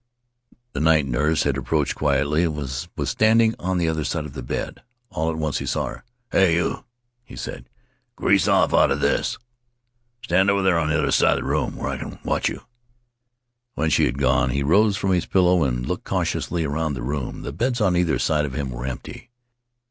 The night nurse had approached quietly and was standing on the other side of the bed. All at once he saw her. 'Hey, you!' he said. 'Grease off out of this! Stand over there on the other side of the room where I can watch you !' When she had gone he rose from his pillow and looked cautiously around the room. The beds on either side of him were empty.